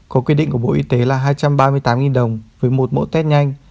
có quy định của bộ y tế là hai trăm ba mươi tám đồng với một mẫu test nhanh